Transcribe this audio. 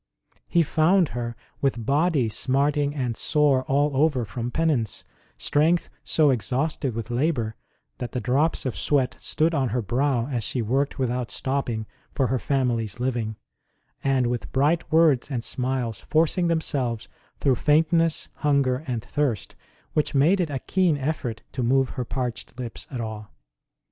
He found her with body smarting and sore all over from penance; strength so exhausted with labour that the drops of sweat stood on her brow as she worked without stopping for her family s DIVINE VISITANTS TO HER CELL 157 living ; and with bright words and smiles forcing themselves through faintness, hunger, and thirst which made it a keen effort to move her parched lips at all.